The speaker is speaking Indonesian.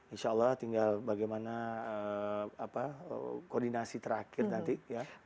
insya allah tinggal bagaimana koordinasi terakhir nanti ya